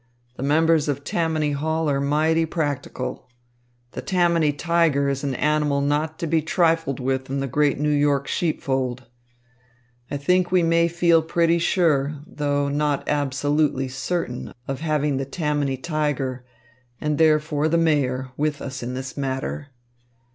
The members of Tammany Hall are mighty practical. The Tammany tiger is an animal not to be trifled with in the great New York sheepfold. I think we may feel pretty sure, though not absolutely certain, of having the Tammany tiger, and therefore the Mayor, with us in this matter.